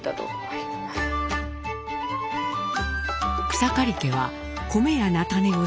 草刈家は米や菜種を生産。